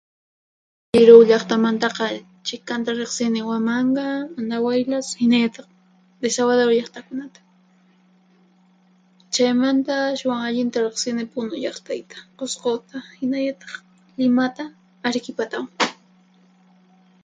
Piruw llaqtamantaqa chikanta riqsini: Huamanga, Andahuaylas hinallataq Desaguadero llaqtakunata. Chaymanta ashwan allinta riqsini: Punu llaqtayta, Qusquta, hinallataq Limata Arikipatawan.